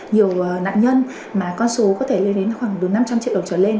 nhiều nạn nhân mà con số có thể lên đến khoảng từ năm trăm linh triệu đồng trở lên